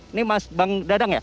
ini bang dadang ya